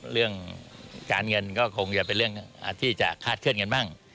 เรื่องการเงินก็คงจะเป็นเรื่องที่จะคาดเคลื่อนกันบ้าง